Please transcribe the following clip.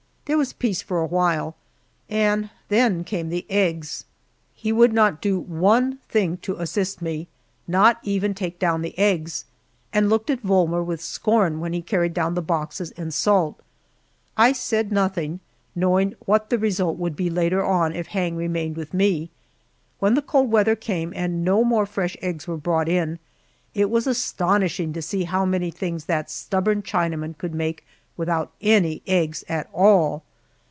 There was peace for a while, and then came the eggs. He would not do one thing to assist me, not even take down the eggs, and looked at Volmer with scorn when he carried down the boxes and salt. I said nothing, knowing what the result would be later on if Hang remained with me. When the cold weather came and no more fresh eggs were brought in, it was astonishing to see how many things that stubborn Chinaman could make without any eggs at all.